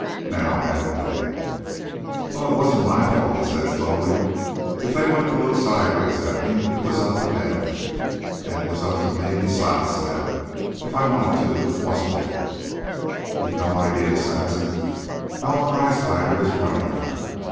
"Now, haven't they?" "Well, it wasn't my fault," he said slowly. "If they wanted to look sideways at me it was up to them. And it was up to me to sidestep if I wanted to, wasn't it? You've no idea, Saxon, how a prizefighter is run after.